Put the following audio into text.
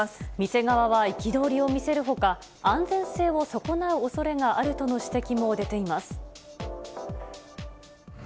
店側は憤りを見せるほか、安全性を損なうおそれがあるとの指摘も出ています。